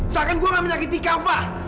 seakan gue nggak menyakiti kafa